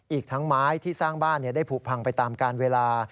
อีกทั้งไม้ที่สร้างบ้านได้ผูกพังไปตามการเวลา